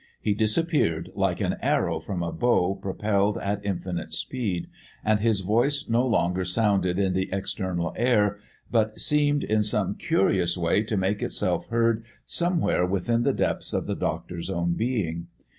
He disappeared like an arrow from a bow propelled at infinite speed, and his voice no longer sounded in the external air, but seemed in some curious way to make itself heard somewhere within the depths of the doctor's own being.